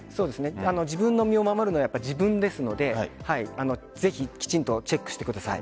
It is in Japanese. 自分の身を守るのは自分ですからぜひきちんとチェックしてください。